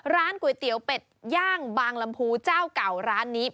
ร้านก๋วยเตี๋ยวเป็ดย่างบางลำพูเจ้าเก่าร้านนี้